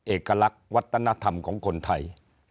เอกลักษณ์วัฒนธรรมของคนไทย